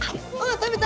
食べた！